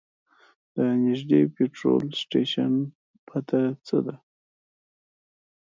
د نږدې پټرول سټیشن پته څه ده؟